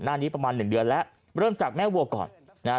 นี้ประมาณหนึ่งเดือนแล้วเริ่มจากแม่วัวก่อนนะฮะ